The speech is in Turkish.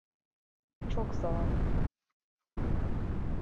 Çok sağ ol.